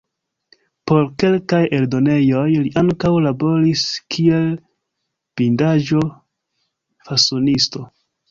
Por kelkaj eldonejoj li ankaŭ laboris kiel bindaĵo-fasonisto.